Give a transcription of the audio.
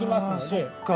あそっか。